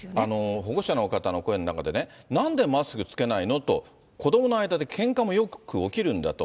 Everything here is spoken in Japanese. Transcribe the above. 保護者の方の声の中でね、なんでマスクつけないのと、子どもの間でけんかもよく起きるんだと。